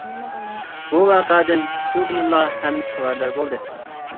بۇ ۋەقەدىن شۇ كۈنىلا ھەممىسى خەۋەردار بولدى.